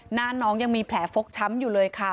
หน้าน้องมีแผลฟกช้ำอยู่ค่ะ